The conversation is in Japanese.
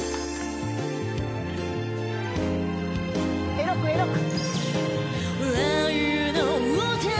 エロくエロく！